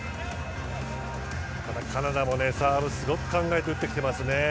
カナダもサーブ、すごく考えて打ってきてますね。